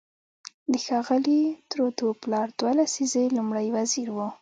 د ښاغلي ترودو پلار دوه لسیزې لومړی وزیر و.